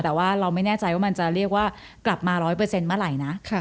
แต่ว่าเราไม่แน่ใจว่ามันจะเรียกว่ากลับมาร้อยเปอร์เซ็นต์เมื่อไหร่นะค่ะ